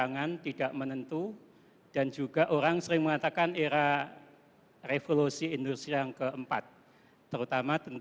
kaitannya dengan kinerja pemerintahan